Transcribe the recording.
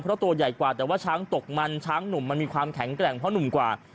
เพราะตัวใหญ่กว่าแต่ว่าช้างตกมันช้างหนุ่มมันมีความแข็งแกร่งเพราะหนุ่มกว่า